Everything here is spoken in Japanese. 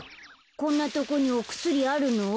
こんなとこにおくすりあるの？